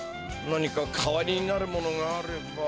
何か代わりになるものがあれば。